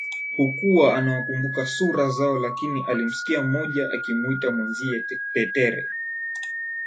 Hakua anawakumbuka sura zao lakini alimsikia mmoja akimuita mwenzie Tetere